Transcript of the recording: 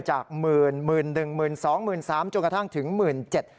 จากหมื่นหมื่นหนึ่งหมื่นสองหมื่นสามจนกระทั่งถึงหมื่นเจ็ด